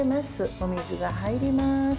お水が入ります。